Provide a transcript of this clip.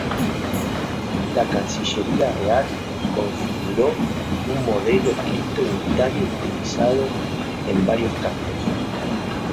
La Cancillería real configuró un modelo escrito unitario utilizado en varios campos.